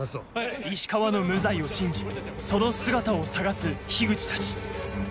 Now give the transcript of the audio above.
石川の無罪を信じその姿を捜す口たち